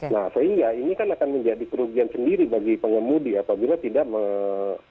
nah sehingga ini kan akan menjadi kerugian sendiri bagi pengemudi apabila tidak mengetahui